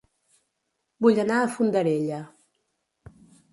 Vull anar a Fondarella